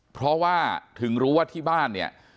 เพราะว่าถึงรู้ว่าที่บ้าน